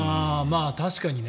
確かにね。